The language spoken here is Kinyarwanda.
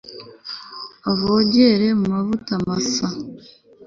avogere mu mavuta masa